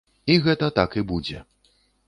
І гэта так і будзе.